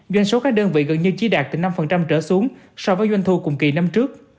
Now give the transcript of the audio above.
doanh số các đơn vị gần như chỉ đạt từ năm trở xuống so với doanh thu cùng kỳ năm trước